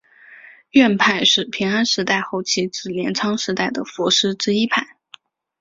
院派是平安时代后期至镰仓时代的佛师之一派。